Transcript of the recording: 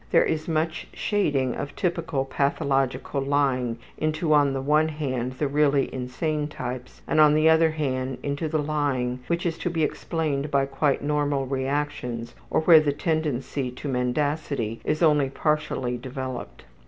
There is much shading of typical pathological lying into, on the one hand, the really insane types, and, on the other hand, into the lying which is to be explained by quite normal reactions or where the tendency to mendacity is only partially developed.